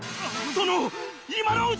殿今のうちに！